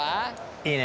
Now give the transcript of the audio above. いいね。